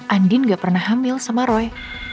andin gak pernah hamil sama roy